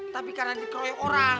tapi karena dikeroyok orang